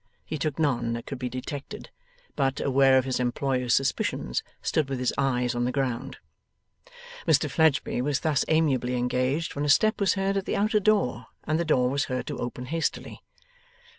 He took none that could be detected, but, aware of his employer's suspicions, stood with his eyes on the ground. Mr Fledgeby was thus amiably engaged when a step was heard at the outer door, and the door was heard to open hastily.